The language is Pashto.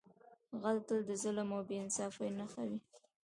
غل تل د ظلم او بې انصافۍ نښه وي